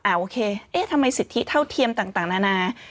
โอเคเอ๊ะทำไมสิทธิเท่าเทียมต่างนานา